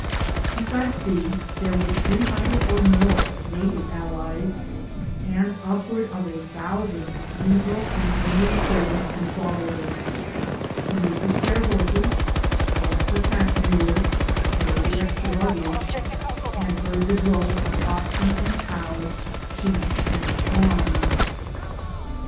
Besides these there were three hun dred or more native allies, and upward of a thousand negro and Indian servants and fol lowers, to lead the spare horses, drive the pack mules, carry the extra luggage, and herd the droves of oxen and cows, sheep and swine.